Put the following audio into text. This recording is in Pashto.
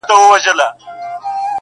او ځينې پوښتني بې ځوابه وي تل-